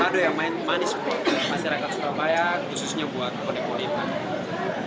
padu yang main manis buat masyarakat surabaya khususnya buat bonek bonek ini